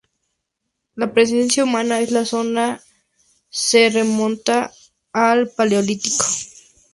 La presencia humana en la zona se remonta al Paleolítico.